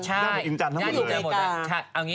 ใช่ญาติของอินจันทร์ทั้งหมด